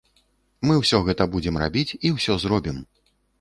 Мы ўсё гэта будзем рабіць і ўсё зробім!